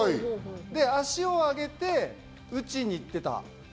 足を上げて打ちに行ってた。